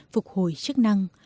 phục hồi chức năng